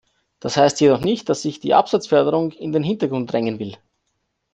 Dies heißt jedoch nicht, dass ich die Absatzförderung in den Hintergrund drängen will.